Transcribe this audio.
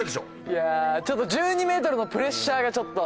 いやあちょっと１２メートルのプレッシャーがちょっと。